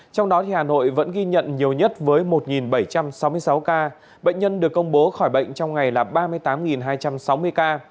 trong đó hà nội vẫn ghi nhận nhiều nhất với một bảy trăm sáu mươi sáu ca bệnh nhân được công bố khỏi bệnh trong ngày là ba mươi tám hai trăm sáu mươi ca